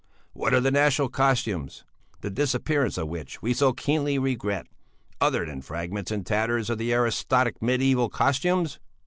What are the national costumes, the disappearance of which we so keenly regret, other than fragments and tatters of the aristocratic mediæval costumes?